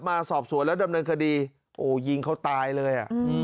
มาสอบสวนแล้วดำเนินคดีโอ้ยิงเขาตายเลย